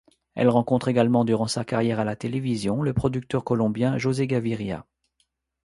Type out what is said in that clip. Elle rencontre également, durant sa carrière à la télévision, le producteur colombien José Gaviria.